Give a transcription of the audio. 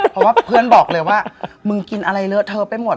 เพราะว่าเพื่อนบอกเลยว่ามึงกินอะไรเลอะเทอะไปหมด